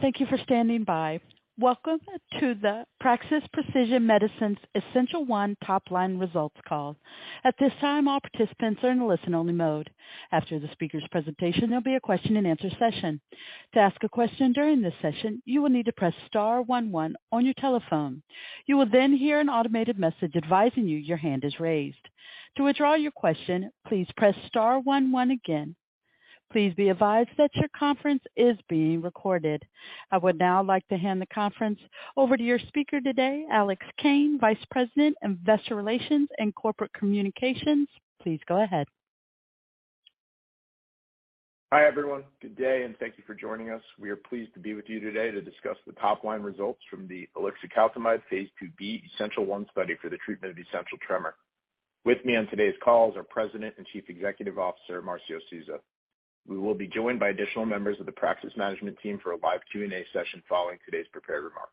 Thank you for standing by. Welcome to the Praxis Precision Medicines Essential1 topline results call. At this time, all participants are in listen-only mode. After the speaker's presentation, there'll be a question-and-answer session. To ask a question during this session, you will need to press star one one on your telephone. You will then hear an automated message advising you your hand is raised. To withdraw your question, please press star one one again. Please be advised that your conference is being recorded. I would now like to hand the conference over to your speaker today, Alex Kane, Vice President of Investor Relations and Corporate Communications. Please go ahead. Hi, everyone. Good day. Thank you for joining us. We are pleased to be with you today to discuss the top line results from the ulixacaltamide phase II-B Essential1 study for the treatment of essential tremor. With me on today's call is our President and Chief Executive Officer, Marcio Souza. We will be joined by additional members of the Praxis management team for a live Q&A session following today's prepared remarks.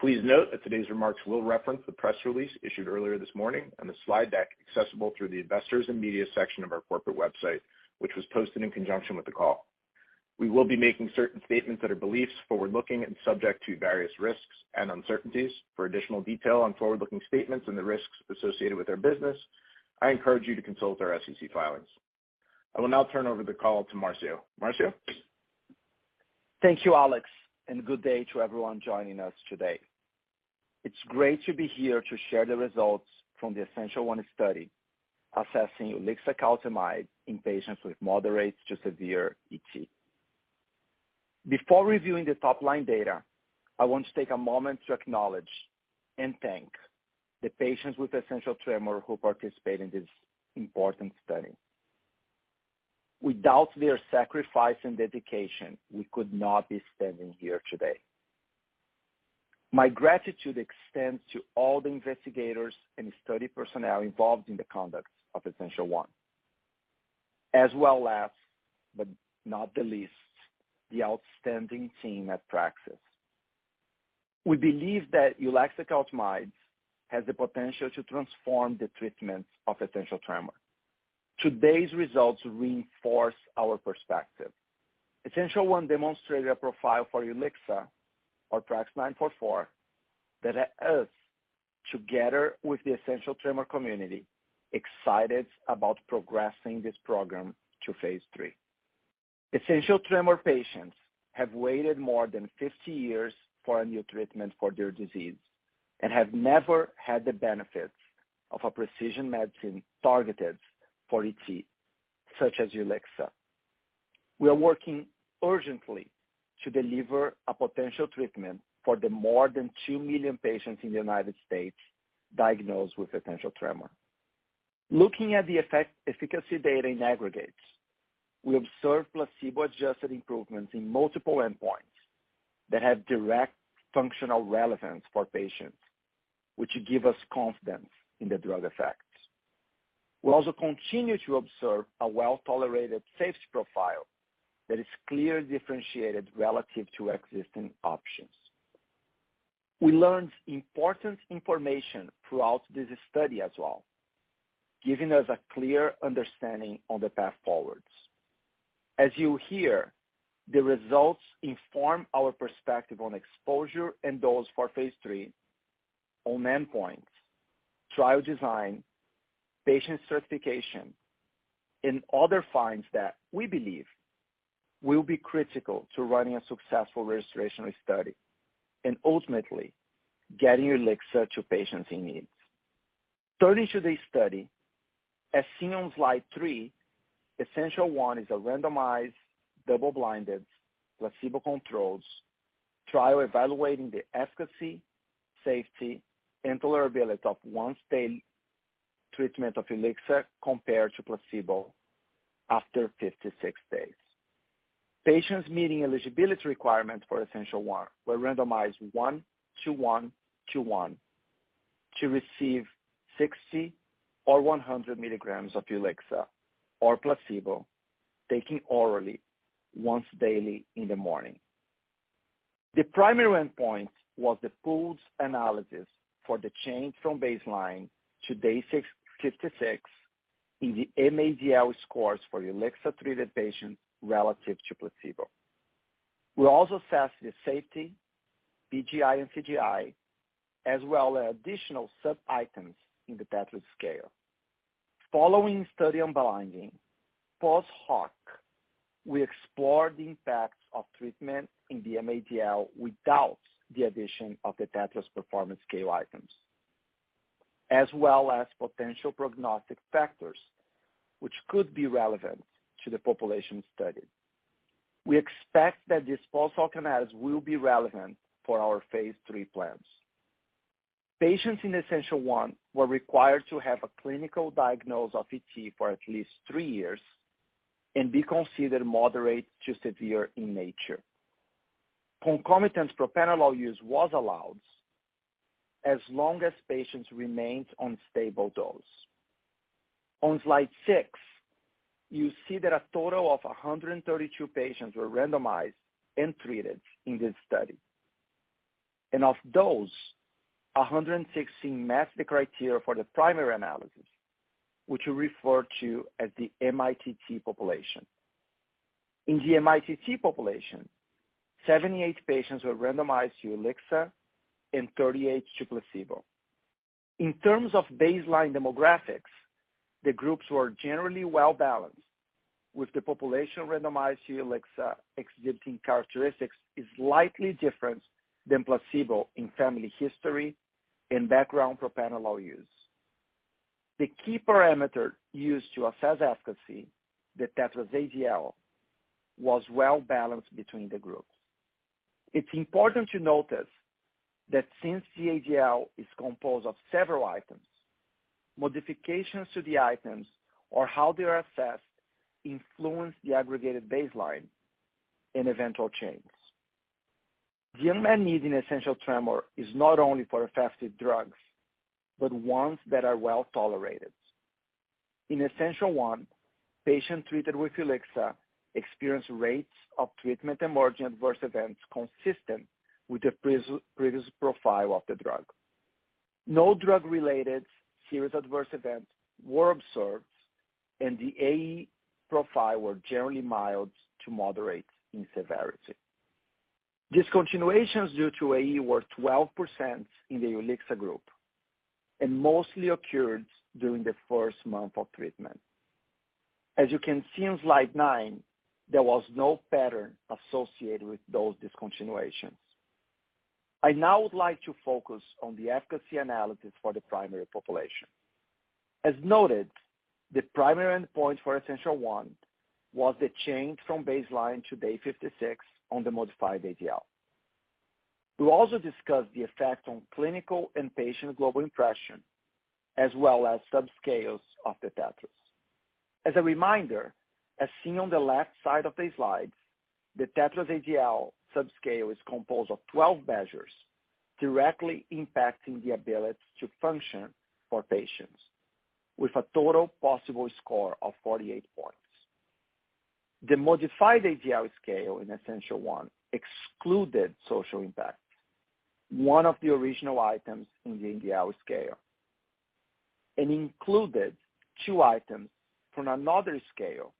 Please note that today's remarks will reference the press release issued earlier this morning and the slide deck accessible through the Investors and Media section of our corporate website, which was posted in conjunction with the call. We will be making certain statements that are beliefs, forward-looking and subject to various risks and uncertainties. For additional detail on forward-looking statements and the risks associated with our business, I encourage you to consult our SEC filings. I will now turn over the call to Marcio. Marcio? Thank you, Alex. Good day to everyone joining us today. It's great to be here to share the results from the Essential1 study assessing ulixacaltamide in patients with moderate to severe ET. Before reviewing the topline data, I want to take a moment to acknowledge and thank the patients with essential tremor who participate in this important study. Without their sacrifice and dedication, we could not be standing here today. My gratitude extends to all the investigators and study personnel involved in the conduct of Essential1, as well last, but not the least, the outstanding team at Praxis. We believe that ulixacaltamide has the potential to transform the treatment of essential tremor. Today's results reinforce our perspective. Essential1 demonstrated a profile for ulixacaltamide or PRAX-944 that has us, together with the essential tremor community, excited about progressing this program to phase III. Essential tremor patients have waited more than 50 years for a new treatment for their disease and have never had the benefits of a precision medicine targeted for ET, such as ulixacaltamide. We are working urgently to deliver a potential treatment for the more than 2 million patients in the United States diagnosed with essential tremor. Looking at the effect efficacy data in aggregates, we observe placebo-adjusted improvements in multiple endpoints that have direct functional relevance for patients, which give us confidence in the drug effects. We also continue to observe a well-tolerated safety profile that is clearly differentiated relative to existing options. We learned important information throughout this study as well, giving us a clear understanding on the path forwards. As you hear, the results inform our perspective on exposure and dose for phase III on endpoints, trial design, patient stratification, and other finds that we believe will be critical to running a successful registration study and ultimately getting ulixa to patients in need. Turning to the study, as seen on slide three, Essential1 is a randomized, double-blinded, placebo-controlled trial evaluating the efficacy, safety, and tolerability of once-daily treatment of ulixa compared to placebo after 56 days. Patients meeting eligibility requirements for Essential1 were randomized 1:1:1 to receive 60 or 100 mg of ulixa or placebo, taking orally once daily in the morning. The primary endpoint was the pooled analysis for the change from baseline to day 56 in the mADL scores for ulixa-treated patients relative to placebo. We also assess the safety, PGI and CGI, as well as additional sub-items in the TETRAS scale. Following study unblinding, post hoc, we explore the impacts of treatment in the mADL without the addition of the TETRAS performance scale items, as well as potential prognostic factors which could be relevant to the population studied. We expect this post hoc analysis will be relevant for our phase III plans. Patients in Essential1 were required to have a clinical diagnosis of ET for at least three years and be considered moderate to severe in nature. Concomitant propranolol use was allowed as long as patients remained on stable dose. On slide six, you see that a total of 132 patients were randomized and treated in this study. Of those, 116 matched the criteria for the primary analysis, which we refer to as the mITT population. In the mITT population, 78 patients were randomized to ulixa and 38 to placebo. In terms of baseline demographics, the groups were generally well balanced, with the population randomized to ulixa exhibiting characteristics is slightly different than placebo in family history and background propranolol use. The key parameter used to assess efficacy, the TETRAS-ADL, was well balanced between the groups. It's important to notice that since the ADL is composed of several items, modifications to the items or how they are assessed influence the aggregated baseline and eventual changes. The unmet need in essential tremor is not only for effective drugs, but ones that are well-tolerated. In Essential1, patients treated with ulixa experienced rates of treatment-emergent adverse events consistent with the previous profile of the drug. No drug-related serious adverse events were observed, and the AE profile were generally mild to moderate in severity. Discontinuations due to AE were 12% in the ulixa group and mostly occurred during the first month of treatment. As you can see on slide nine, there was no pattern associated with those discontinuations. I now would like to focus on the efficacy analysis for the primary population. As noted, the primary endpoint for Essential1 was the change from baseline to day 56 on the modified ADL. We'll also discuss the effect on clinical and patient global impression, as well as subscales of the TETRAS. As a reminder, as seen on the left side of the slide, the TETRAS-ADL subscale is composed of 12 measures directly impacting the ability to function for patients with a total possible score of 48 points. The modified ADL scale in Essential1 excluded social impact, one of the original items in the ADL scale, and included two items from another scale,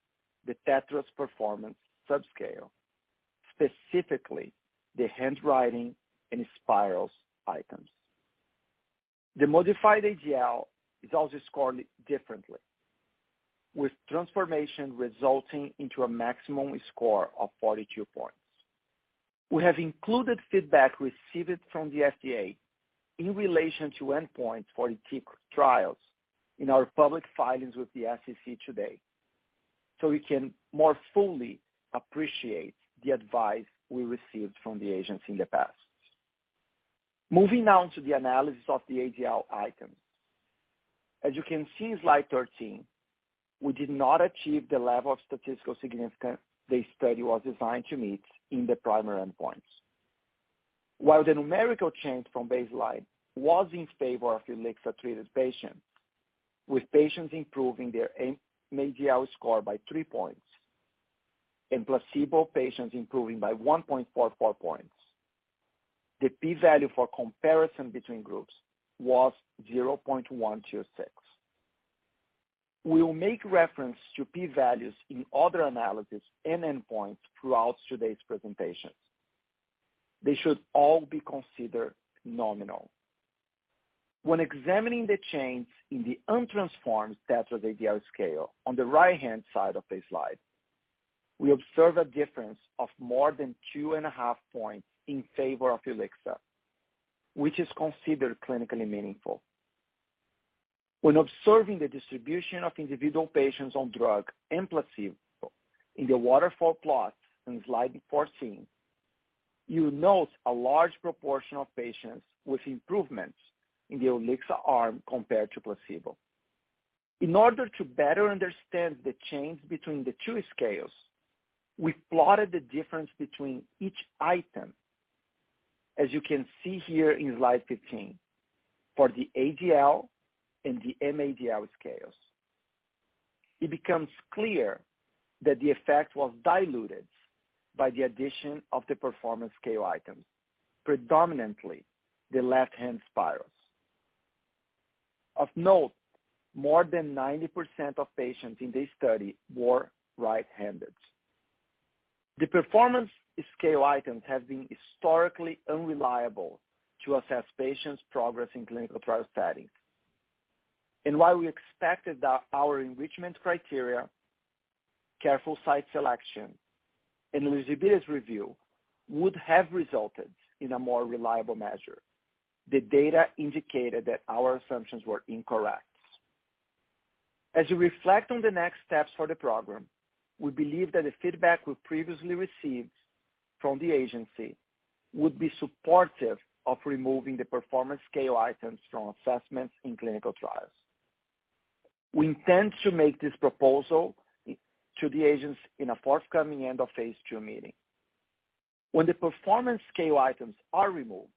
the TETRAS Performance Subscale, specifically the handwriting and spirals items. The modified ADL is also scored differently, with transformation resulting into a maximum score of 42 points. We have included feedback received from the FDA in relation to endpoints for the ET trials in our public filings with the SEC today. We can more fully appreciate the advice we received from the agency in the past. Moving on to the analysis of the ADL items. As you can see in slide 13, we did not achieve the level of statistical significance the study was designed to meet in the primary endpoints. The numerical change from baseline was in favor of ulixa-treated patients, with patients improving their mADL score by 3 points and placebo patients improving by 1.44 points, the P value for comparison between groups was 0.126. We will make reference to P values in other analysis and endpoints throughout today's presentation. They should all be considered nominal. When examining the change in the untransformed TETRAS ADL scale on the right-hand side of the slide, we observe a difference of more than 2.5 points in favor of ulixa, which is considered clinically meaningful. When observing the distribution of individual patients on drug and placebo in the waterfall plot in slide 14, you note a large proportion of patients with improvements in the ulixa arm compared to placebo. In order to better understand the change between the two scales, we plotted the difference between each item, as you can see here in slide 15, for the ADL and the mADL scales. It becomes clear that the effect was diluted by the addition of the performance scale items, predominantly the left-hand spirals. Of note, more than 90% of patients in this study were right-handed. The performance scale items have been historically unreliable to assess patients' progress in clinical trial settings. While we expected that our enrichment criteria, careful site selection, and eligibility review would have resulted in a more reliable measure, the data indicated that our assumptions were incorrect. As you reflect on the next steps for the program, we believe that the feedback we previously received from the agency would be supportive of removing the performance scale items from assessments in clinical trials. We intend to make this proposal to the agents in a forthcoming end of phase II meeting. When the performance scale items are removed,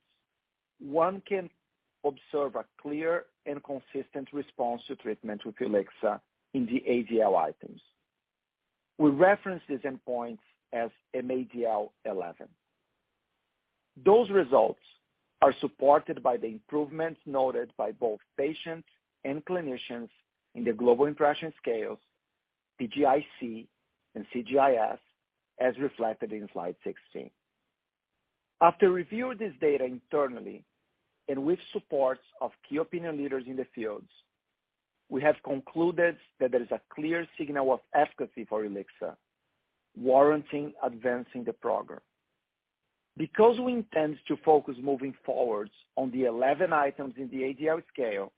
one can observe a clear and consistent response to treatment with ulixa in the ADL items. We reference these endpoints as mADL 11. Those results are supported by the improvements noted by both patients and clinicians in the Global Impression Scales, PGI-C, and CGI-S, as reflected in slide 16. After reviewing this data internally and with support of key opinion leaders in the fields, we have concluded that there is a clear signal of efficacy for ulixa, warranting advancing the program. Because we intend to focus moving forward on the 11 items in the ADL scale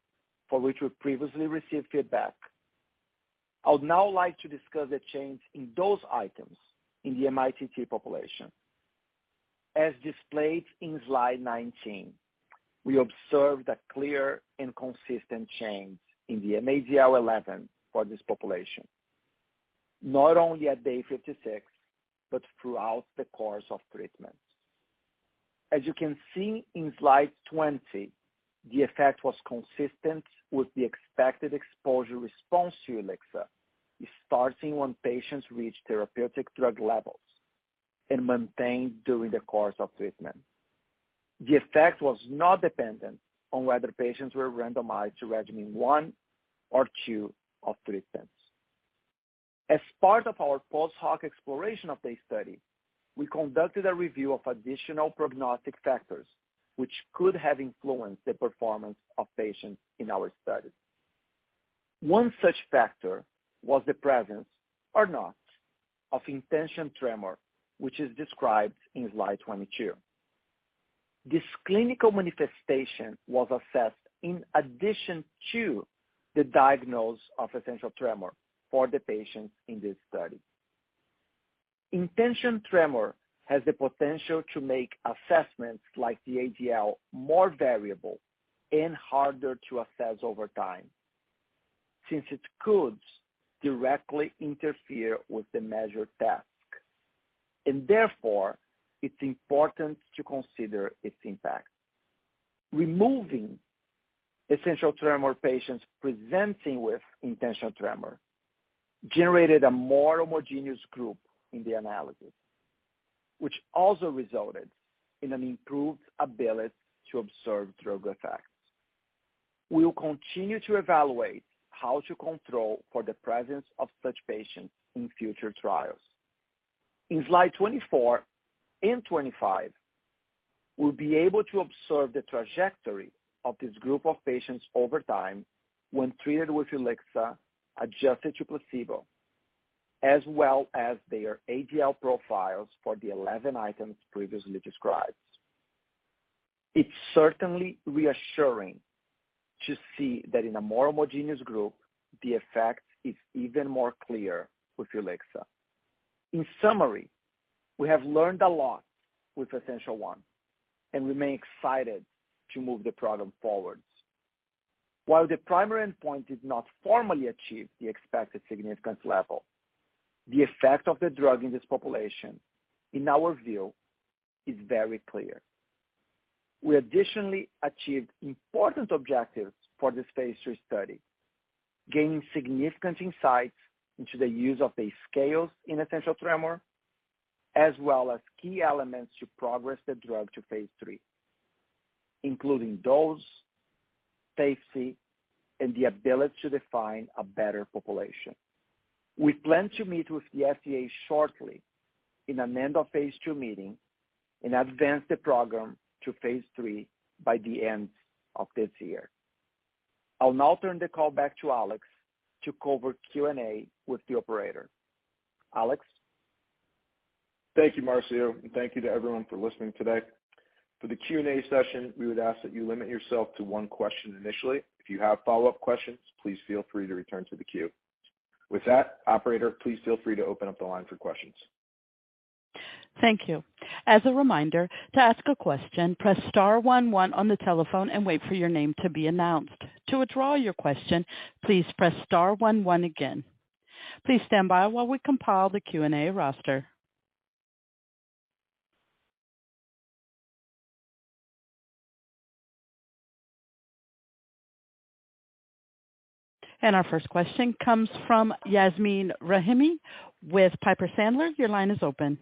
for which we previously received feedback, I would now like to discuss the change in those items in the mITT population. As displayed in slide 19, we observed a clear and consistent change in the mADL 11 for this population, not only at day 56, but throughout the course of treatment. As you can see in slide 20, the effect was consistent with the expected exposure response to ulixa, starting when patients reach therapeutic drug levels and maintained during the course of treatment. The effect was not dependent on whether patients were randomized to Regimen 1 or 2 of treatments. As part of our post-hoc exploration of this study, we conducted a review of additional prognostic factors which could have influenced the performance of patients in our study. One such factor was the presence or not of intention tremor, which is described in slide 22. This clinical manifestation was assessed in addition to the diagnosis of essential tremor for the patients in this study. Intention tremor has the potential to make assessments like the ADL more variable and harder to assess over time, since it could directly interfere with the measured task, and therefore it's important to consider its impact. Removing essential tremor patients presenting with intention tremor generated a more homogeneous group in the analysis, which also resulted in an improved ability to observe drug effects. We will continue to evaluate how to control for the presence of such patients in future trials. In slide 24 and 25, we'll be able to observe the trajectory of this group of patients over time when treated with ulixa adjusted to placebo, as well as their ADL profiles for the 11 items previously described. It's certainly reassuring to see that in a more homogeneous group, the effect is even more clear with ulixa. In summary, we have learned a lot with Essential1, remain excited to move the program forward. While the primary endpoint did not formally achieve the expected significance level, the effect of the drug in this population, in our view, is very clear. We additionally achieved important objectives for this phase II study, gaining significant insights into the use of these scales in essential tremor, as well as key elements to progress the drug to phase III, including dose, safety, and the ability to define a better population. We plan to meet with the FDA shortly in an End-of-phase II meeting and advance the program to phase III by the end of this year. I'll now turn the call back to Alex to cover Q&A with the operator. Alex? Thank you, Marcio, and thank you to everyone for listening today. For the Q&A session, we would ask that you limit yourself to one question initially. If you have follow-up questions, please feel free to return to the queue. With that, operator, please feel free to open up the line for questions. Thank you. As a reminder, to ask a question, press star one one on the telephone and wait for your name to be announced. To withdraw your question, please press star one one again. Please stand by while we compile the Q&A roster. Our first question comes from Yasmeen Rahimi with Piper Sandler. Your line is open.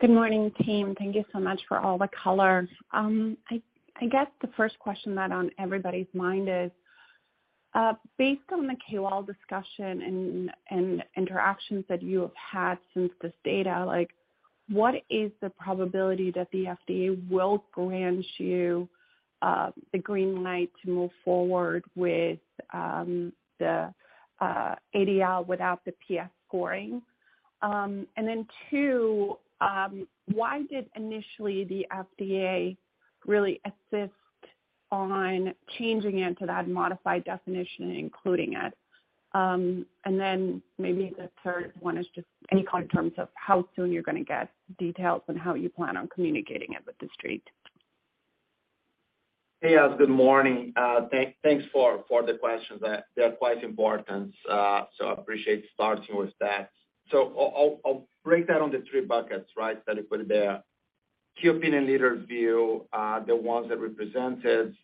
Good morning, team. Thank you so much for all the color. I guess the first question that on everybody's mind is based on the KOL discussion and interactions that you have had since this data, like what is the probability that the FDA will grant you the green light to move forward with the ADL without the PS scoring? Then two, why did initially the FDA really insist on changing it to that modified definition and including it? Then maybe the third one is just any kind terms of how soon you're going to get details on how you plan on communicating it with the Street? Hey, Yas, good morning. Thanks for the questions. They are quite important, so I appreciate starting with that. I'll break that on the three buckets, right, that you put there. Key opinion leaders view, the ones that represented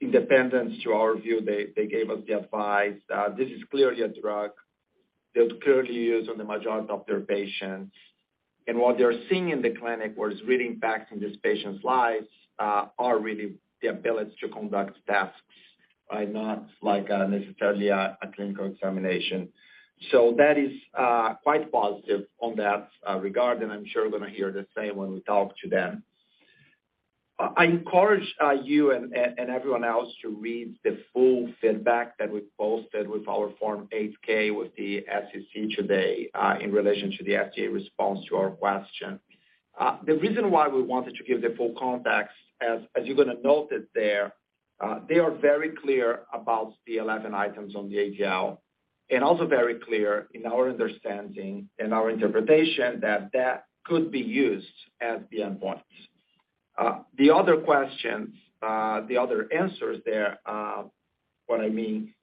independence to our view, they gave us the advice that this is clearly a drug they would clearly use on the majority of their patients. What they're seeing in the clinic, what is reading back from these patients' lives, are really the ability to conduct tasks, right? Not like, necessarily a clinical examination. That is quite positive on that regard, and I'm sure we're gonna hear the same when we talk to them. I encourage you and everyone else to read the full feedback that we posted with our Form 8-K with the SEC today, in relation to the FDA response to our question. The reason why we wanted to give the full context, as you're gonna note it there, they are very clear about the 11 items on the ADL, and also very clear in our understanding and our interpretation that that could be used as the endpoints. The other answers there, what I mean,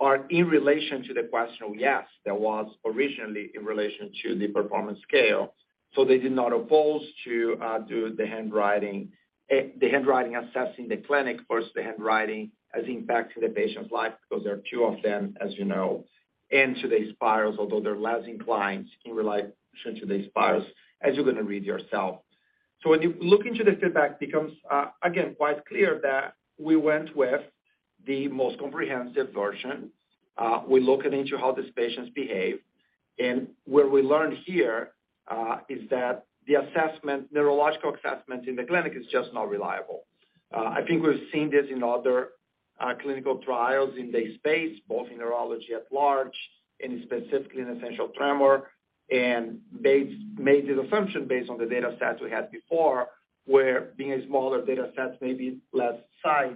are in relation to the question we asked that was originally in relation to the performance scale. They did not oppose to do the handwriting. The handwriting assessing the clinic versus the handwriting as impact to the patient's life because there are two of them, as you know, and to the spirals, although they're less inclined to rely since they spirals, as you're gonna read yourself. When you look into the feedback, becomes again quite clear that we went with the most comprehensive version. We're looking into how these patients behave. What we learned here, is that the assessment, neurological assessment in the clinic is just not reliable. I think we've seen this in other clinical trials in this space, both in neurology at large and specifically in essential tremor, made this assumption based on the data stats we had before, where being a smaller data stats, maybe less size,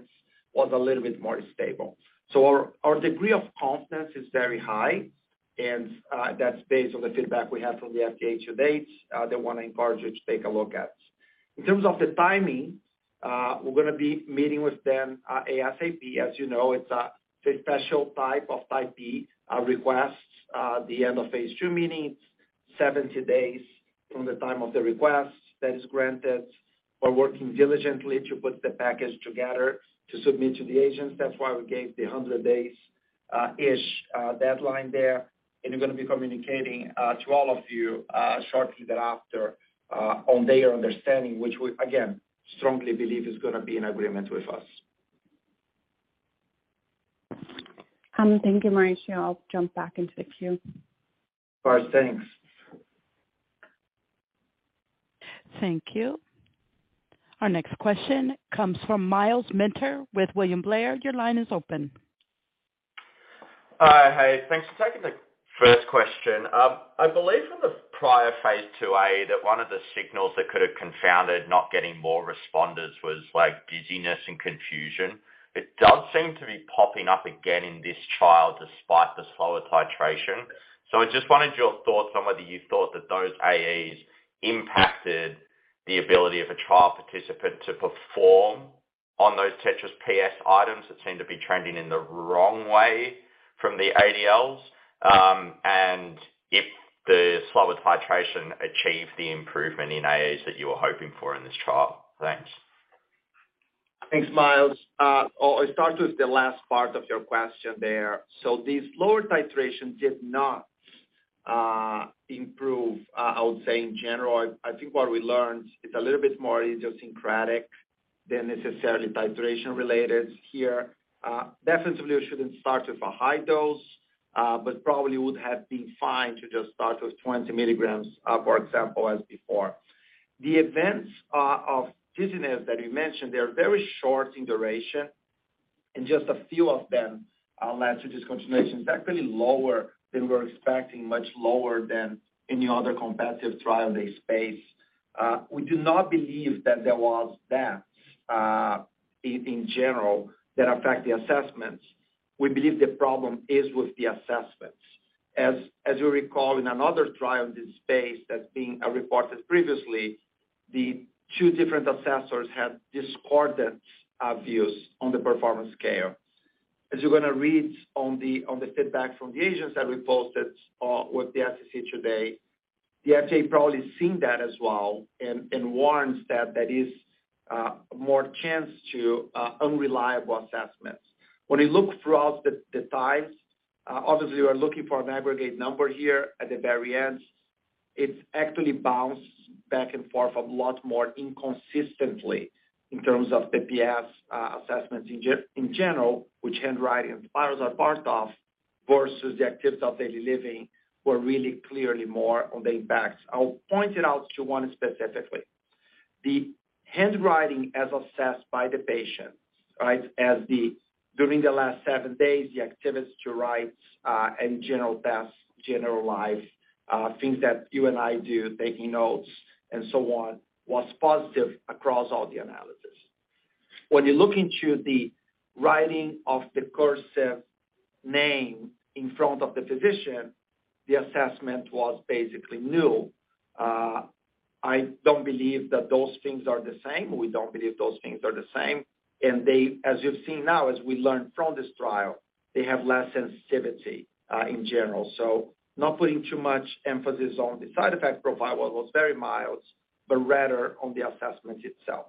was a little bit more stable. Our, our degree of confidence is very high, and that's based on the feedback we have from the FDA to date, they wanna encourage you to take a look at. In terms of the timing, we're gonna be meeting with them ASAP. As you know, it's a special type of Type B request. The end of phase II meeting, 70 days from the time of the request that is granted. We're working diligently to put the package together to submit to the agents. That's why we gave the 100 days-ish, deadline there. We're gonna be communicating to all of you shortly thereafter on their understanding, which we, again, strongly believe is gonna be in agreement with us. Thank you, Marcio. I'll jump back into the queue. All right. Thanks. Thank you. Our next question comes from Myles Minter with William Blair. Your line is open. Hey, thanks for taking the first question. I believe from the prior phase IIa that one of the signals that could have confounded not getting more responders was, like, dizziness and confusion. It does seem to be popping up again in this trial despite the slower titration. I just wanted your thoughts on whether you thought that those AEs impacted the ability of a trial participant to perform on those TETRAS-PS items that seem to be trending in the wrong way from the ADLs, and if the slower titration achieved the improvement in AEs that you were hoping for in this trial. Thanks. Thanks, Myles. I'll start with the last part of your question there. These lower titration did not improve, I would say in general. I think what we learned, it's a little bit more idiosyncratic than necessarily titration related here. Definitely we shouldn't start with a high dose, but probably would have been fine to just start with 20 mg, for example, as before. The events of dizziness that you mentioned, they're very short in duration, and just a few of them led to discontinuation. It's actually lower than we're expecting, much lower than any other competitive trial in this space. We do not believe that there was that in general that affect the assessments. We believe the problem is with the assessments. As you recall in another trial in this space that's being reported previously, the two different assessors had discordant views on the performance scale. As you're gonna read on the feedback from the agents that we posted with the SEC today, the FDA probably seen that as well and warns that that is more chance to unreliable assessments. When you look throughout the times, obviously you are looking for an aggregate number here at the very end. It's actually bounced back and forth a lot more inconsistently in terms of the PS assessments in general, which handwriting and spirals are part of, versus the activities of daily living were really clearly more on the impacts. I'll point it out to one specifically. The handwriting as assessed by the patients, right? During the last seven days, the activities to write, and general tasks, general life, things that you and I do, taking notes and so on, was positive across all the analysis. When you look into the writing of the cursive name in front of the physician, the assessment was basically new. I don't believe that those things are the same. We don't believe those things are the same. They As you've seen now, as we learned from this trial, they have less sensitivity in general. So not putting too much emphasis on the side effect profile was very mild, but rather on the assessment itself.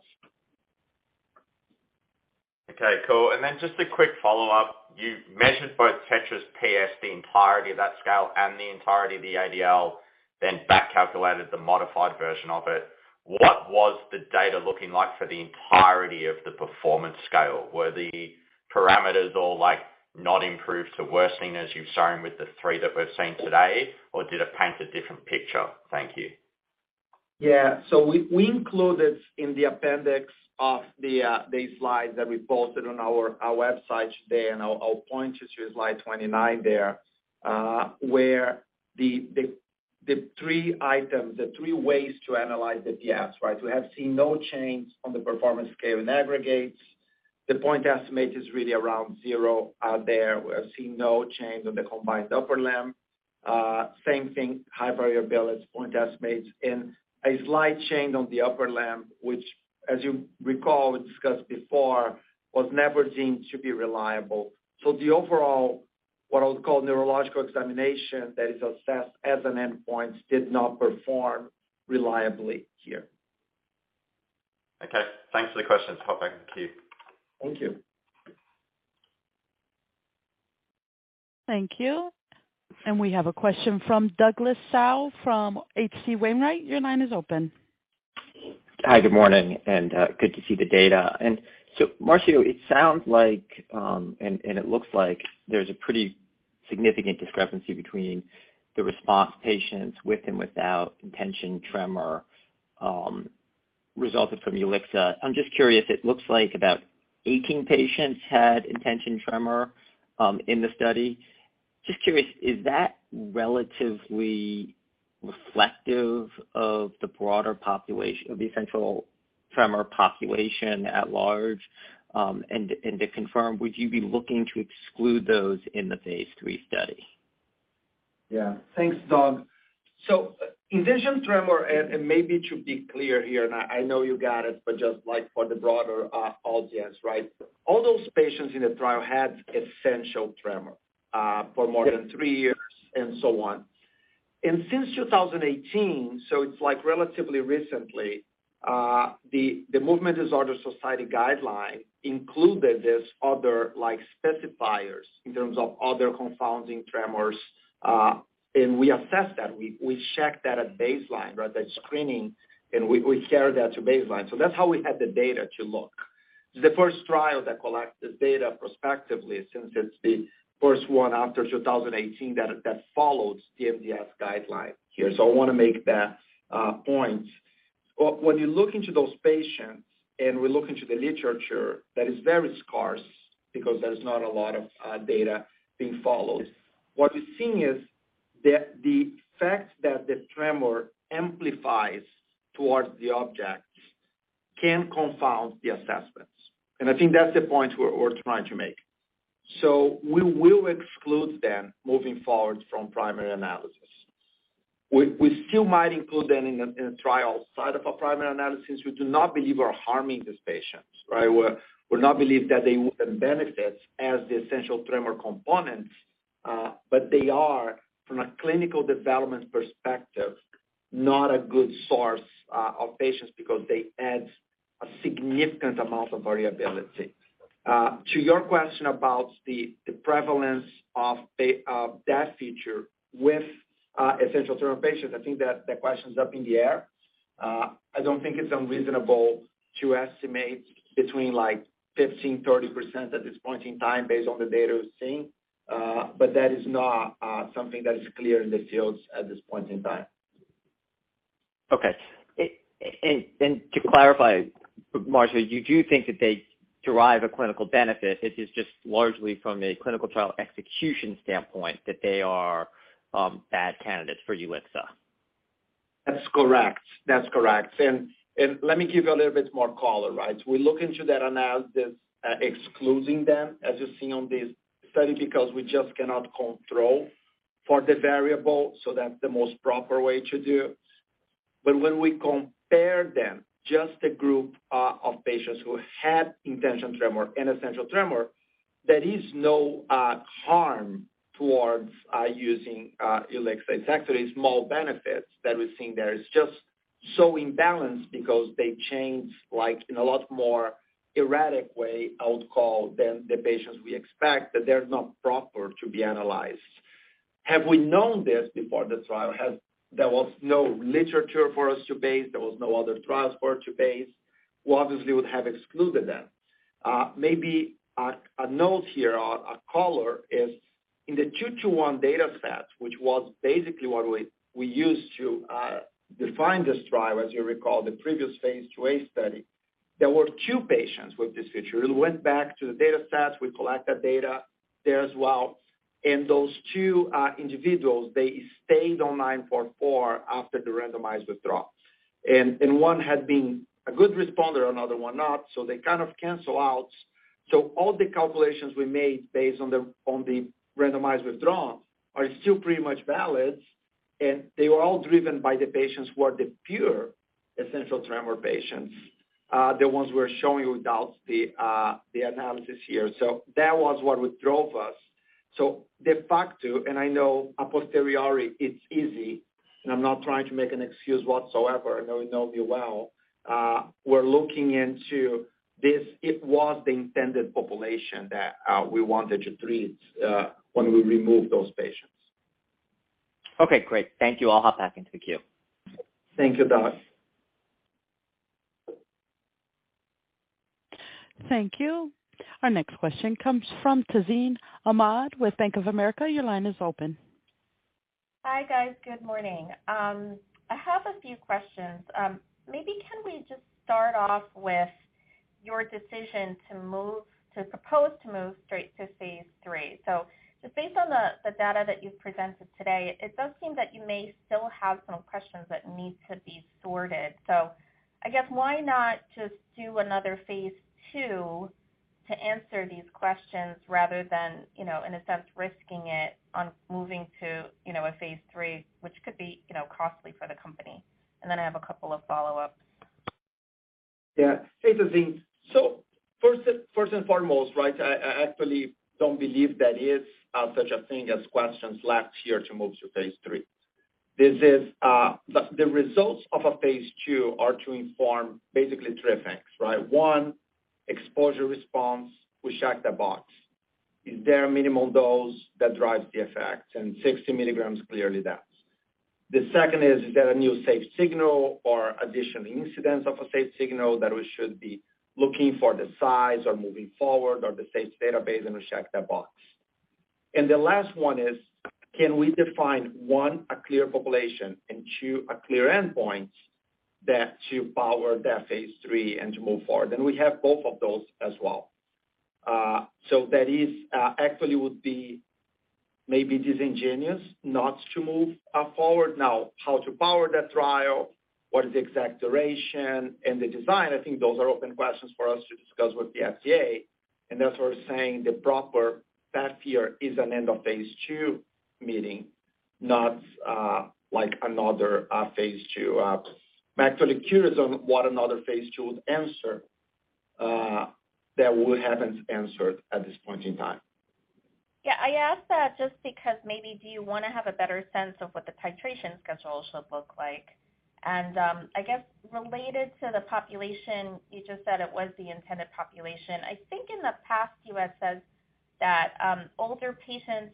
Okay, cool. Just a quick follow-up. You measured both TETRAS PS, the entirety of that scale, and the entirety of the ADL, then back calculated the modified version of it. What was the data looking like for the entirety of the performance scale? Were the parameters all, like, not improved to worsening as you've shown with the three that we're seeing today, or did it paint a different picture? Thank you. We included in the appendix of the slides that we posted on our website today, and I'll point you to slide 29 there, where the three items, the three ways to analyze the PS, right? We have seen no change on the performance scale in aggregates. The point estimate is really around 0 out there. We have seen no change on the combined upper limb. Same thing, high variability point estimates. A slight change on the upper limb, which as you recall we discussed before, was never deemed to be reliable. The overall, what I would call neurological examination that is assessed as an endpoint did not perform reliably here. Okay. Thanks for the questions. Hop back in the queue. Thank you. Thank you. We have a question from Douglas Tsao from H.C. Wainwright. Your line is open. Hi. Good morning. Good to see the data. Marcio, it sounds like it looks like there's a pretty significant discrepancy between the response patients with and without intention tremor resulted from ulixa. I'm just curious, it looks like about 18 patients had intention tremor in the study. Just curious, is that relatively reflective of the broader population of the essential tremor population at large? To confirm, would you be looking to exclude those in the phase III study? Yeah. Thanks, Doug. Intention tremor, and maybe to be clear here, and I know you got it, but just like for the broader audience, right? All those patients in the trial had essential tremor for more than three years and so on. Since 2018, so it's like relatively recently, the Movement Disorder Society guideline included this other, like, specifiers in terms of other confounding tremors. We assess that. We, we check that at baseline, right, that screening, and we carry that to baseline. That's how we had the data to look. This is the first trial that collected data prospectively since it's the first one after 2018 that follows the MDS guideline here. I wanna make that point. When you look into those patients, and we look into the literature, that is very scarce because there's not a lot of data being followed. What we're seeing is that the fact that the tremor amplifies towards the objects can confound the assessments. I think that's the point we're trying to make. We will exclude them moving forward from primary analysis. We still might include them in a trial side of a primary analysis. We do not believe we're harming these patients, right? We not believe that they wouldn't benefit as the essential tremor component, but they are, from a clinical development perspective, not a good source of patients because they add a significant amount of variability. To your question about the prevalence of the that feature with essential tremor patients, I think that the question's up in the air. I don't think it's unreasonable to estimate between, like, 15%-30% at this point in time based on the data we're seeing. But that is not something that is clear in the fields at this point in time. Okay. To clarify, Marcio, you do think that they derive a clinical benefit. It is just largely from a clinical trial execution standpoint that they are bad candidates for ulixacaltamide. That's correct. That's correct. Let me give you a little bit more color, right? We look into that analysis, excluding them as you've seen on this study because we just cannot control for the variable. That's the most proper way to do. When we compare them, just a group of patients who had intention tremor and essential tremor, there is no harm towards using ulixacaltamide. It's actually small benefits that we're seeing there. It's just so imbalanced because they change, like, in a lot more erratic way, I would call, than the patients we expect, that they're not proper to be analyzed. Had we known this before the trial, there was no literature for us to base, there was no other trials for us to base, we obviously would have excluded them. Maybe a note here or a color is in the II to I dataset, which was basically what we used to define this trial, as you recall the previous phase II-A study, there were two patients with this feature. It went back to the dataset. We collected data there as well. Those two individuals, they stayed online for four after the randomized withdrawal. One had been a good responder, another one not, so they kind of cancel out. All the calculations we made based on the randomized withdrawals are still pretty much valid, and they were all driven by the patients who are the pure essential tremor patients, the ones we're showing without the analysis here. That was what drove usSo de facto, and I know a posteriori it's easy, and I'm not trying to make an excuse whatsoever. I know you know me well. We're looking into this. It was the intended population that we wanted to treat, when we removed those patients. Okay, great. Thank you. I'll hop back into the queue. Thank you, Doug. Thank you. Our next question comes from Tazeen Ahmad with Bank of America. Your line is open. Hi, guys. Good morning. I have a few questions. Maybe can we just start off with your decision to propose to move straight to phase III? Just based on the data that you've presented today, it does seem that you may still have some questions that need to be sorted. I guess why not just do another phase II to answer these questions rather than, you know, in a sense, risking it on moving to, you know, a phase III, which could be, you know, costly for the company? Then I have a couple of follow-ups. Hey, Tazeen. First and foremost, right, I actually don't believe there is such a thing as questions left here to move to phase III. The results of a phase II are to inform basically three things, right? 1, exposure response. We checked the box. Is there a minimal dose that drives the effect? 60 mg clearly does. The second is there a new safe signal or additional incidents of a safe signal that we should be looking for the size or moving forward or the safe database, and we checked that box. The last one is, can we define, one, a clear population and, two, a clear endpoint that to power that phase III and to move forward? We have both of those as well. That is, actually would be maybe disingenuous not to move, forward. How to power that trial, what is the exact duration and the design? I think those are open questions for us to discuss with the FDA, that's why we're saying the proper path here is an end of phase II meeting, not, like another, phase II. I'm actually curious on what another phase II would answer, that we haven't answered at this point in time. Yeah, I asked that just because maybe do you wanna have a better sense of what the titration schedule should look like? I guess related to the population, you just said it was the intended population. I think in the past you had said that older patients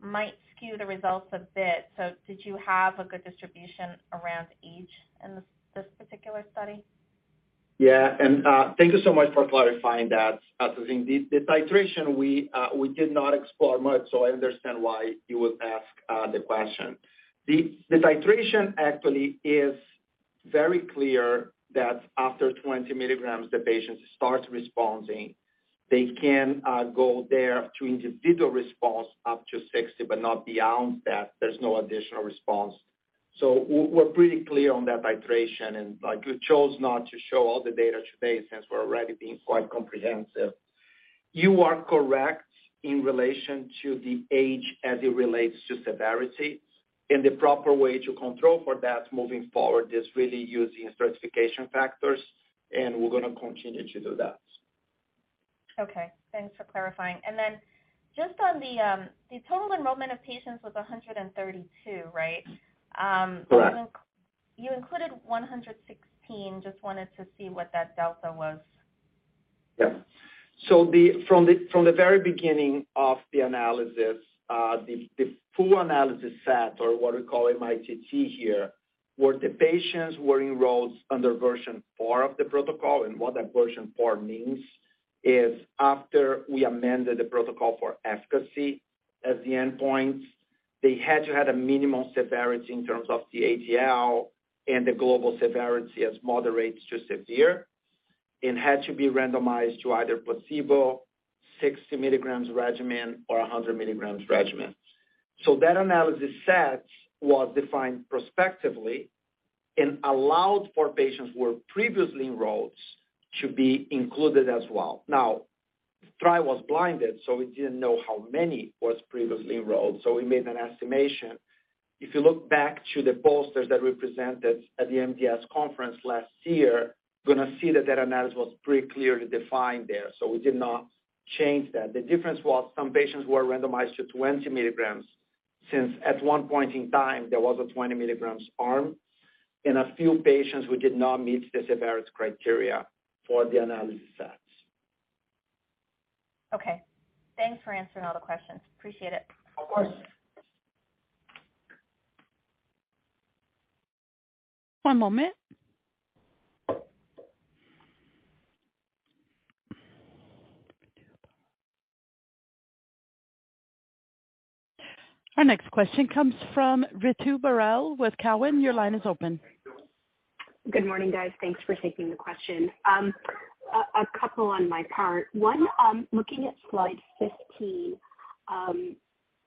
might skew the results a bit. Did you have a good distribution around age in this particular study? Yeah. Thank you so much for clarifying that, Tazeen. The titration, we did not explore much, so I understand why you would ask the question. The titration actually is very clear that after 20 mg, the patients start responding. They can go there to individual response up to 60, but not beyond that. There's no additional response. We're pretty clear on that titration, and, like, we chose not to show all the data today since we're already being quite comprehensive. You are correct in relation to the age as it relates to severity, and the proper way to control for that moving forward is really using stratification factors, and we're gonna continue to do that. Okay. Thanks for clarifying. Just on the total enrollment of patients was 132, right? Correct. You included 116. Just wanted to see what that delta was? Yeah. From the very beginning of the analysis, the full analysis set or what we call mITT here, were the patients who were enrolled under version four of the protocol. What that version four means is after we amended the protocol for efficacy as the endpoint, they had to have a minimal severity in terms of the ADL and the global severity as moderate to severe and had to be randomized to either placebo, 60 mg regimen, or a 100 mg regimen. That analysis set was defined prospectively and allowed for patients who were previously enrolled to be included as well. The trial was blinded, so we didn't know how many was previously enrolled, so we made an estimation. If you look back to the posters that we presented at the MDS conference last year, gonna see that that analysis was pretty clearly defined there. We did not change that. The difference was some patients were randomized to 20 mg since at one point in time there was a 20 mg arm, and a few patients who did not meet the severity criteria for the analysis sets. Okay. Thanks for answering all the questions. Appreciate it. Of course. One moment. Our next question comes from Ritu Baral with Cowen. Your line is open. Good morning, guys. Thanks for taking the question. A couple on my part. One, looking at slide 15, I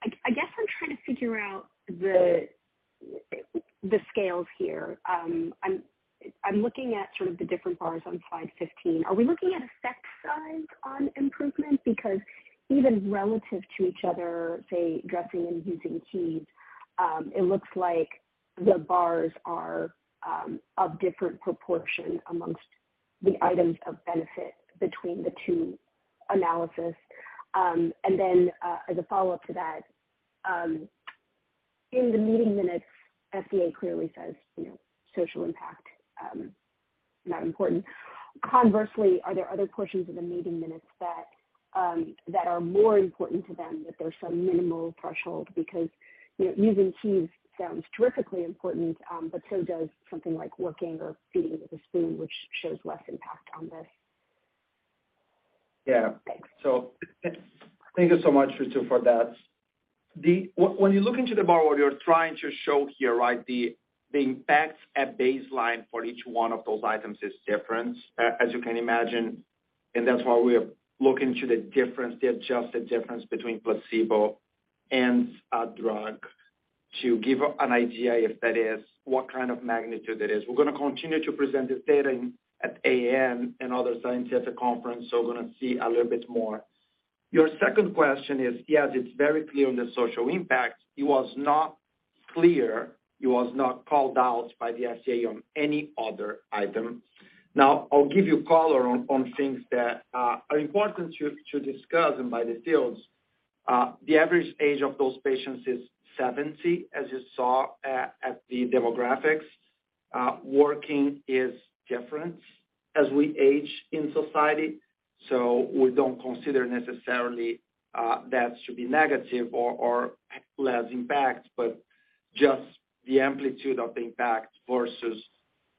guess I'm trying to figure out the scales here. I'm looking at sort of the different bars on slide 15. Are we looking at effect size on improvement? Because even relative to each other, say dressing and using keys, it looks like the bars are of different proportion. The items of benefit between the two analyses. As a follow-up to that, in the meeting minutes, FDA clearly says, you know, social impact, not important. Conversely, are there other portions of the meeting minutes that are more important to them that there's some minimal threshold because, you know, using keys sounds terrifically important, but so does something like working or feeding with a spoon, which shows less impact on this. Yeah. Thanks. Thank you so much, Ritu, for that. When you look into the bar, what you're trying to show here, right. The impact at baseline for each one of those items is different, as you can imagine, and that's why we are looking to the difference, the adjusted difference between placebo and a drug to give an idea if that is what kind of magnitude it is. We're gonna continue to present this data at AAN and other scientific conference. We're gonna see a little bit more. Your second question is, yes, it's very clear on the social impact. It was not clear. It was not called out by the FDA on any other item. I'll give you color on things that are important to discuss and by the fields. The average age of those patients is 70, as you saw at the demographics. Working is different as we age in society, so we don't consider necessarily that should be negative or less impact, but just the amplitude of the impact versus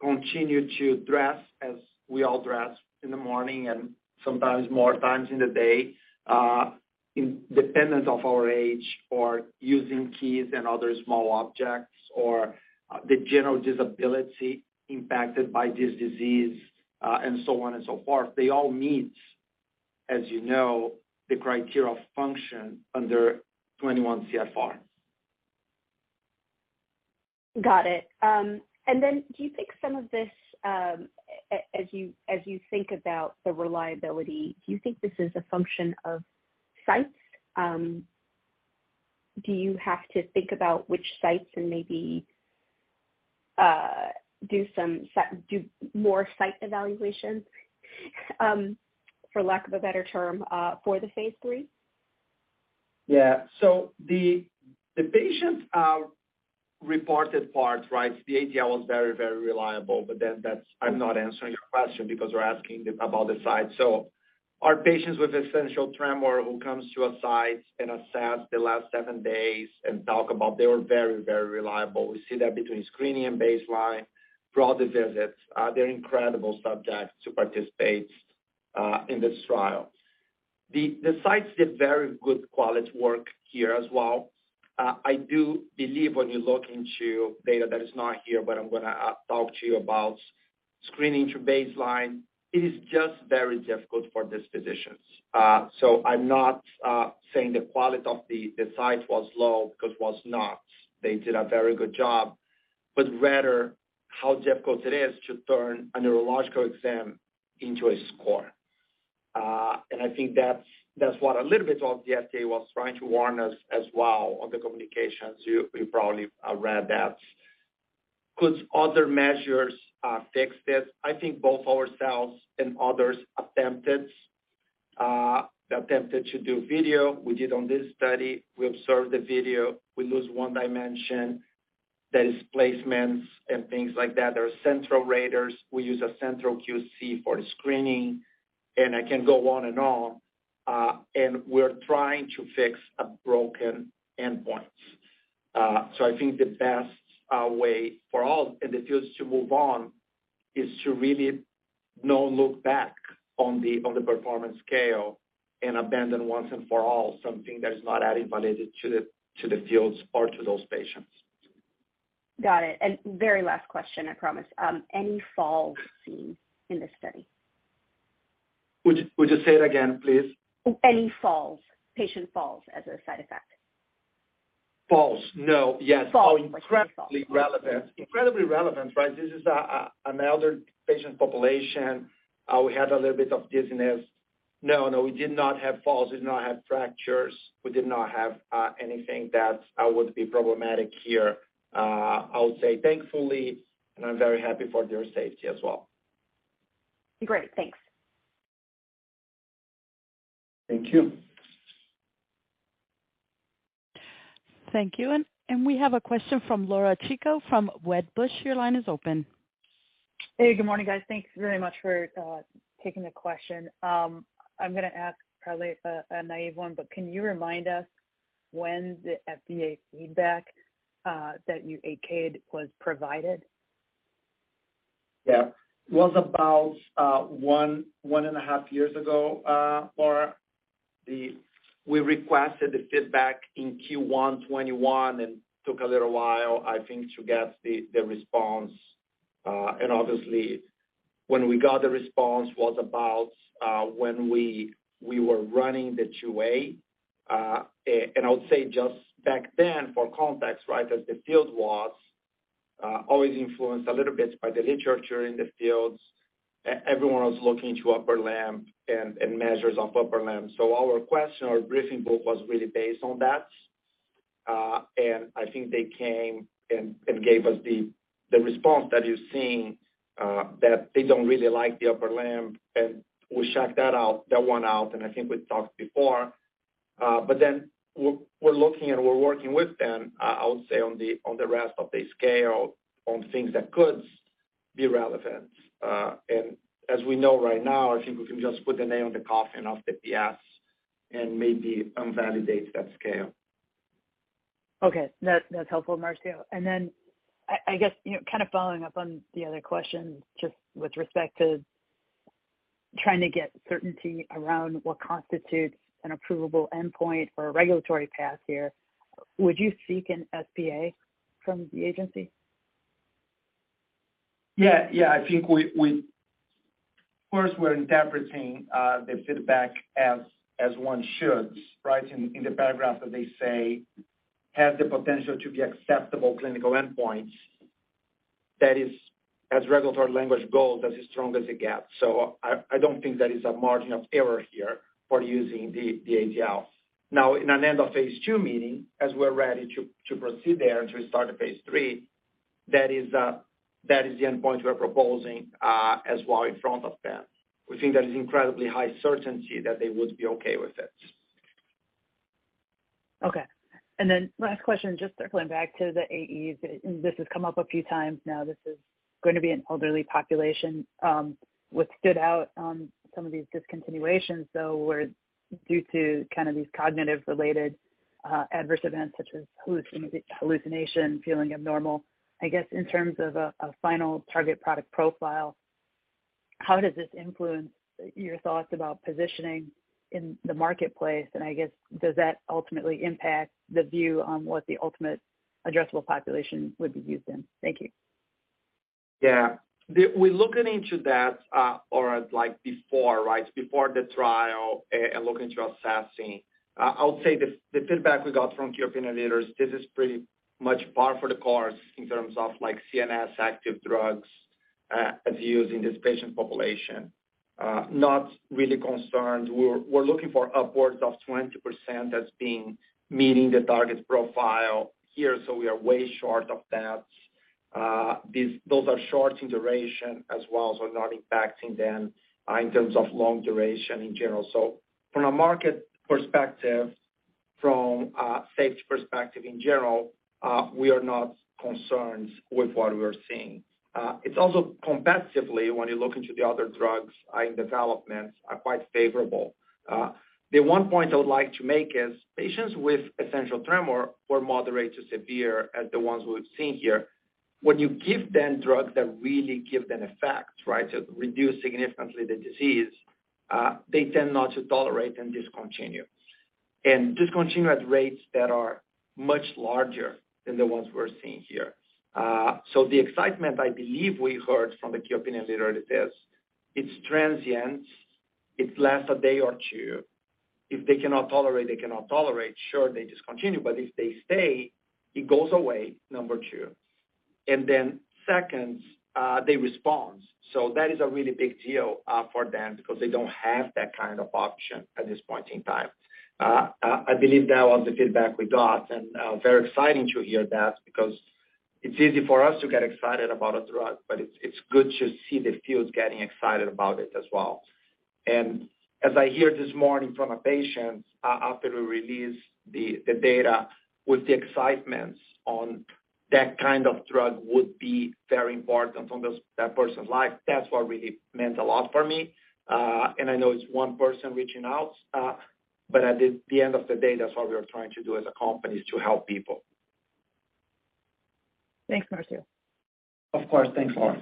continue to dress as we all dress in the morning and sometimes more times in the day, independent of our age or using keys and other small objects, or, the general disability impacted by this disease, and so on and so forth. They all meet, as you know, the criteria of function under 21 CFR. Got it. Do you think some of this, as you think about the reliability, do you think this is a function of sites? Do you have to think about which sites and maybe, do more site evaluations, for lack of a better term, for the phase III? Yeah. The patients reported part, right? The ADL was very, very reliable. I'm not answering your question because we're asking about the site. Our patients with essential tremor who comes to a site and assess the last seven days and talk about they were very, very reliable. We see that between screening and baseline throughout the visits. They're incredible subjects to participate in this trial. The sites did very good quality work here as well. I do believe when you look into data that is not here, but I'm gonna talk to you about screening to baseline, it is just very difficult for these physicians. I'm not saying the quality of the site was low because was not. They did a very good job. Rather how difficult it is to turn a neurological exam into a score. I think that's what a little bit of the FDA was trying to warn us as well on the communications. You probably read that. Could other measures fix this? I think both ourselves and others attempted to do video. We did on this study. We observed the video. We lose one dimension, that is placements and things like that. There are central raters. We use a central QC for the screening, and I can go on and on. We're trying to fix a broken endpoint. I think the best way for all in the fields to move on is to really no look back on the, on the performance scale and abandon once and for all something that is not added validity to the, to the fields or to those patients. Got it. Very last question, I promise. Any falls seen in this study? Would you say it again, please? Any falls, patient falls as a side effect? Falls? No. Yes. Falls. Incredibly relevant. Incredibly relevant, right? This is an elder patient population. We had a little bit of dizziness. No, we did not have falls. We did not have fractures. We did not have anything that would be problematic here, I would say thankfully, and I'm very happy for their safety as well. Great. Thanks. Thank you. Thank you. We have a question from Laura Chico from Wedbush. Your line is open. Hey, good morning, guys. Thank you very much for taking the question. I'm gonna ask probably a naive one, but can you remind us when the FDA feedback that you aced was provided? It was about one and a half years ago, Laura. We requested the feedback in Q1 2021, took a little while, I think, to get the response. Obviously when we got the response was about, when we were running the II-A. I would say just back then for context, right, as the field was always influenced a little bit by the literature in the fields, everyone was looking to upper limb and measures on upper limb. So our question or briefing book was really based on that. I think they came and gave us the response that you're seeing that they don't really like the upper limb. We shut that one out, and I think we talked before. We're looking and we're working with them, I would say on the, on the rest of the scale on things that could be relevant. As we know right now, I think we can just put the nail in the coffin of the PS and maybe invalidate that scale. Okay. That's helpful, Marcio. Then I guess, you know, kind of following up on the other question, just with respect to trying to get certainty around what constitutes an approvable endpoint or a regulatory path here. Would you seek an SPA from the agency? Yeah. Yeah. I think we first, we're interpreting the feedback as one should, right? In the paragraph that they say, "Have the potential to be acceptable clinical endpoints," that is, as regulatory language goes, that's as strong as it gets. I don't think there is a margin of error here for using the ADL. Now in an end of phase II meeting, as we're ready to proceed there and to start a phase III, that is the endpoint we're proposing as well in front of them. We think there is incredibly high certainty that they would be okay with it. Okay. Last question, just circling back to the AEs, and this has come up a few times now. This is going to be an elderly population, what stood out on some of these discontinuations, though, were due to kind of these cognitive-related adverse events such as hallucination, feeling abnormal. I guess in terms of a final target product profile, how does this influence your thoughts about positioning in the marketplace? I guess, does that ultimately impact the view on what the ultimate addressable population would be used in? Thank you. Yeah. We're looking into that, or like before, right? Before the trial and looking through assessing. I would say the feedback we got from key opinion leaders, this is pretty much par for the course in terms of like CNS active drugs, as used in this patient population. Not really concerned. We're looking for upwards of 20% as being meeting the target profile here, we are way short of that. Those are short in duration as well, not impacting them in terms of long duration in general. From a market perspective, from a safety perspective in general, we are not concerned with what we're seeing. It's also competitively, when you look into the other drugs and developments are quite favorable. The one point I would like to make is patients with essential tremor were moderate to severe as the ones we've seen here. When you give them drugs that really give them effect, right, to reduce significantly the disease, they tend not to tolerate and discontinue. Discontinue at rates that are much larger than the ones we're seeing here. The excitement I believe we heard from the key opinion leader is this, it's transient, it lasts a day or two. If they cannot tolerate, they cannot tolerate. Sure, they discontinue, but if they stay, it goes away, number two. Second, they respond. That is a really big deal for them because they don't have that kind of option at this point in time. I believe that was the feedback we got, and very exciting to hear that because it's easy for us to get excited about a drug, but it's good to see the field getting excited about it as well. As I hear this morning from a patient after we release the data with the excitements on that kind of drug would be very important on that person's life. That's what really meant a lot for me. I know it's one person reaching out, but at the end of the day, that's what we are trying to do as a company, is to help people. Thanks, Marcio. Of course. Thanks, Laura.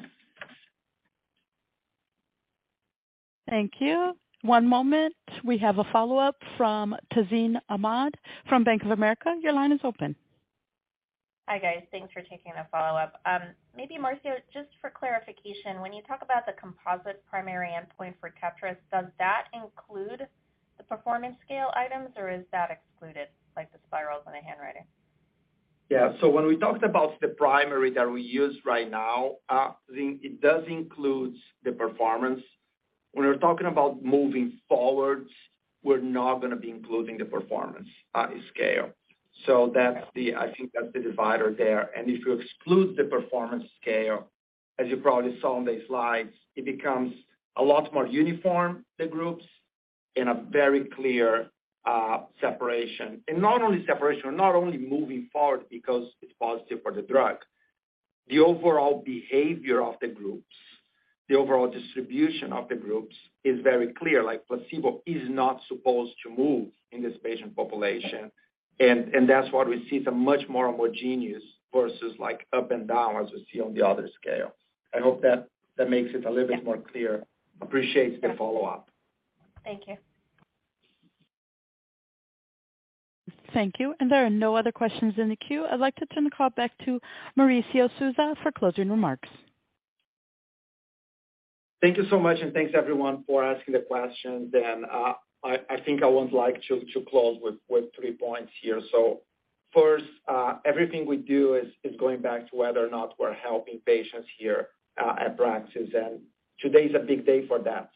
Thank you. One moment. We have a follow-up from Tazeen Ahmad from Bank of America. Your line is open. Hi, guys. Thanks for taking the follow-up. Maybe Marcio, just for clarification, when you talk about the composite primary endpoint for TETRAS, does that include the performance scale items, or is that excluded, like the spirals and the handwriting? When we talked about the primary that we use right now, it does include the performance. When we're talking about moving forward, we're not going to be including the performance scale. I think that's the divider there. If you exclude the performance scale, as you probably saw on the slides, it becomes a lot more uniform, the groups, in a very clear separation. Not only separation, not only moving forward because it's positive for the drug. The overall behavior of the groups, the overall distribution of the groups is very clear, like placebo is not supposed to move in this patient population. That's what we see much more homogeneous versus like up and down, as we see on the other scales. I hope that makes it a little bit more clear. Yeah. Appreciate the follow-up. Thank you. Thank you. There are no other questions in the queue. I'd like to turn the call back to Marcio Souza for closing remarks. Thank you so much, thanks everyone for asking the questions. I think I would like to close with three points here. First, everything we do is going back to whether or not we're helping patients here at Praxis. Today's a big day for that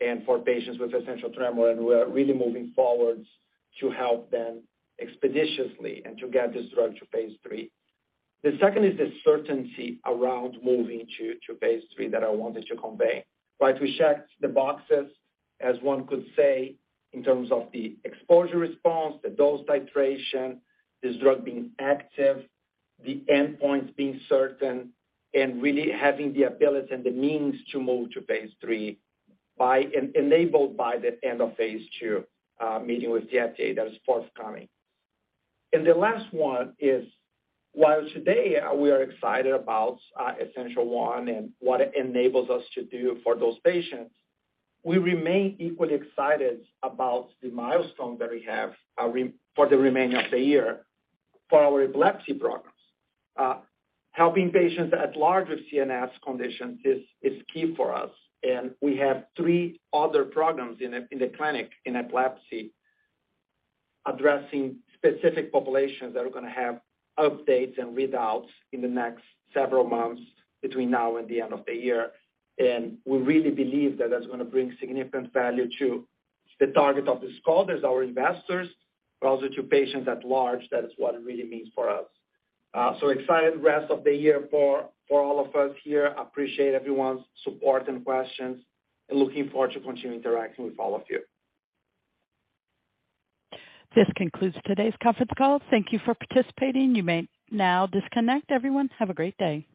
and for patients with essential tremor, and we're really moving forward to help them expeditiously and to get this drug to phase III. The second is the certainty around moving to phase III that I wanted to convey. Right? We checked the boxes, as one could say, in terms of the exposure response, the dose titration, this drug being active, the endpoints being certain, and really having the ability and the means to move to phase III enabled by the end of phase II meeting with the FDA. That is forthcoming. The last one is, while today we are excited about Essential1 and what it enables us to do for those patients, we remain equally excited about the milestone that we have for the remainder of the year for our epilepsy programs. Helping patients at large with CNS conditions is key for us. We have three other programs in the clinic in epilepsy addressing specific populations that are gonna have updates and readouts in the next several months between now and the end of the year. We really believe that that's gonna bring significant value to the target of this call. There's our investors, but also to patients at large. That is what it really means for us. Excited rest of the year for all of us here. Appreciate everyone's support and questions, and looking forward to continue interacting with all of you. This concludes today's conference call. Thank you for participating. You may now disconnect. Everyone, have a great day.